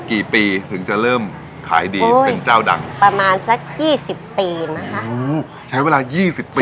กี่ปีถึงจะเริ่มขายดีเป็นเจ้าดังประมาณสักยี่สิบปีนะคะใช้เวลายี่สิบปี